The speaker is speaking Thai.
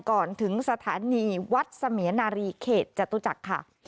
ก่อนถึงสถานีวัดเสมียนารีเขตจตุจักรค่ะ